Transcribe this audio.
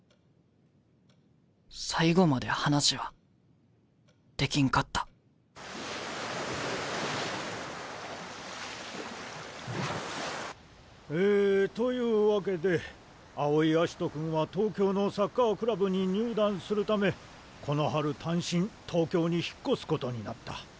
最後まで話はできんかったえというわけで青井葦人君は東京のサッカークラブに入団するためこの春単身東京に引っ越すことになった。